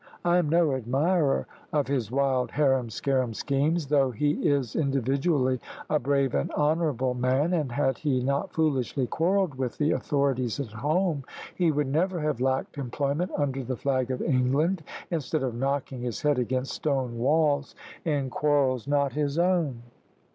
I am no admirer of his wild, harum scarum schemes, though he is individually a brave and honourable man; and had he not foolishly quarrelled with the authorities at home, he would never have lacked employment under the flag of England, instead of knocking his head against stone walls in quarrels not his own."